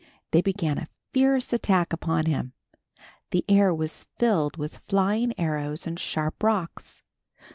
They began a fierce attack upon him. The air was filled with flying arrows and sharp rocks.